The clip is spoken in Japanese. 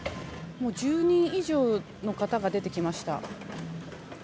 １０人以上の方が出てきました。